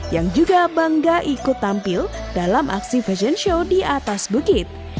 yang juga bangga ikut tampil dalam aksi fashion show di atas bukit